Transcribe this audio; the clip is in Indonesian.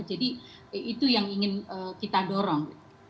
itu yang ingin kita dorong